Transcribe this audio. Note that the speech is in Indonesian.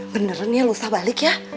bener nih lusa balik ya